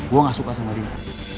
gue gak suka sama rina